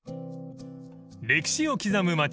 ［歴史を刻む街